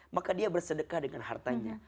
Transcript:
maka dia bersedekah dengan hartanya